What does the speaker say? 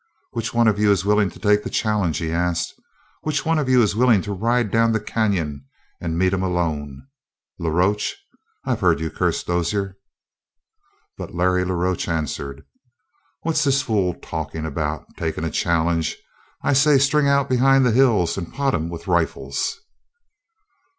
"Which one of you is willing to take the challenge?" he asked. "Which one of you is willing to ride down the canyon and meet him alone? La Roche, I've heard you curse Dozier." But Larry la Roche answered: "What's this fool talk about takin' a challenge? I say, string out behind the hills and pot him with rifles."